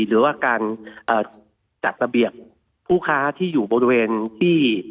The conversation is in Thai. หรือว่าการจัดระเบียบผู้ค้าที่อยู่บริเวณที่